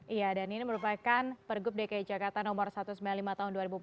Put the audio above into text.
iya dan ini merupakan pergub dki jakarta nomor satu ratus sembilan puluh lima tahun dua ribu empat belas